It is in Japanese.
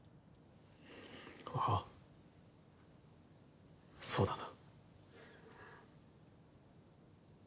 あぁそうだな。